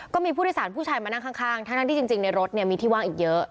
ก็มีผู้โดยสารผู้ชายมานั่งข้างทั้งที่จริงในรถมีที่ว่างอีกเยอะ